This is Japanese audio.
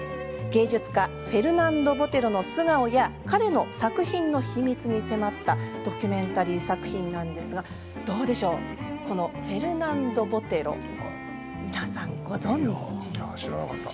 芸術家フェルナンド・ボテロの素顔や彼の作品の秘密に迫ったドキュメンタリー作品なんですがどうでしょう、このフェルナンド・ボテロいや知らなかった。